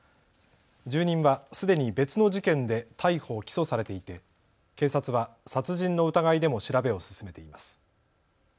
住人はすでに別の事件で逮捕・起訴されていて警察は殺人の疑いでも調べを進めています。